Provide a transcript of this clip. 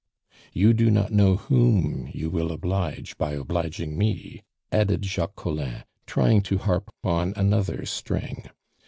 "You do not know whom you will oblige by obliging me," added Jacques Collin, trying to harp on another string.